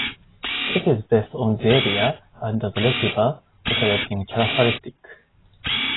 It is based on the area under the receiver operating characteristic.